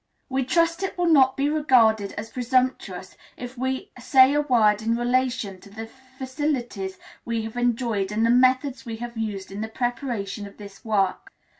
We trust it will not be regarded as presumptuous if we say a word in relation to the facilities we have enjoyed and the methods we have used in the preparation of this work.